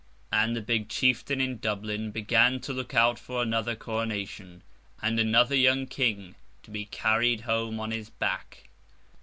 And the big chieftain in Dublin began to look out for another coronation, and another young King to be carried home on his back.